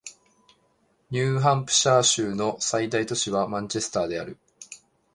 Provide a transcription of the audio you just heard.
ニューハンプシャー州の最大都市はマンチェスターである